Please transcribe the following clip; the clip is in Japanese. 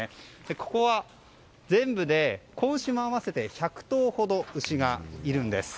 ここは全部で子牛も合わせて１００頭ほどの牛がいるんです。